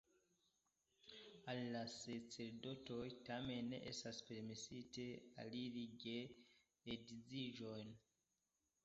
Al la sacerdotoj, tamen, ne estas permesite aliri geedziĝon.